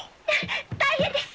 大変です！